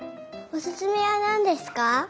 おすすめはなんですか？